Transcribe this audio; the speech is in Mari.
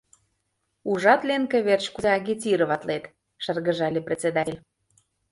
— Ужат, Ленка верч кузе агитироватлет, — шыргыжале председатель.